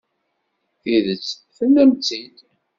Tidet, tennam-tt-id.